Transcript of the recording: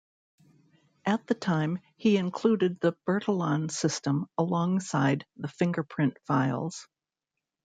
At the time, he included the Bertillon system alongside the fingerprint files.